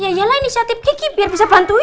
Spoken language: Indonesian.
ya yalah inisiatif kiki biar bisa bantuin